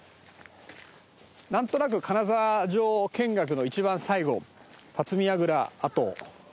なんとなく金沢城見学の一番最後辰巳櫓跡。